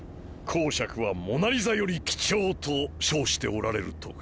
侯爵は『モナ・リザ』より貴重と称しておられるとか。